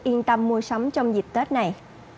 yên tâm mua sắm trong dịch tết này